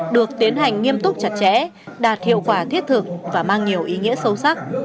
được tiến hành nghiêm túc chặt chẽ đạt hiệu quả thiết thực và mang nhiều ý nghĩa sâu sắc